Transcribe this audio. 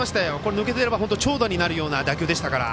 抜けてれば長打になるような打球でしたから。